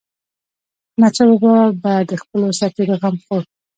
احمدشاه بابا به د خپلو سرتيرو غم خوړ.